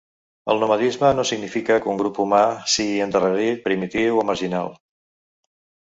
El nomadisme no significa que un grup humà sigui endarrerit, primitiu o marginal.